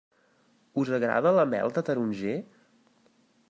Us agrada la mel de taronger?